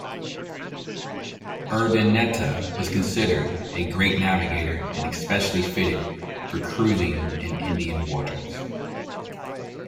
Urdaneta was considered a great navigator and especially fitted for cruising in Indian waters.